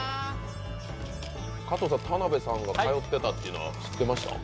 加藤さん、田辺さんが通ってたっていうのは知ってました？